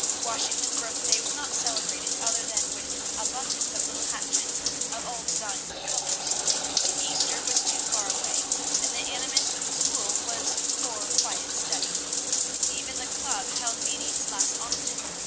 Washington's Birthday was not celebrated other than with an abundance of little hatchets of all designs and colors. Easter was too far away, and the animus of the school was for quiet study. Even the club held meetings less often.